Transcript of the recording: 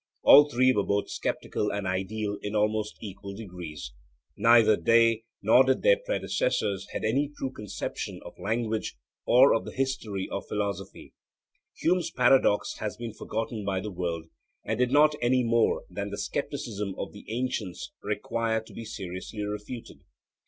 All three were both sceptical and ideal in almost equal degrees. Neither they nor their predecessors had any true conception of language or of the history of philosophy. Hume's paradox has been forgotten by the world, and did not any more than the scepticism of the ancients require to be seriously refuted.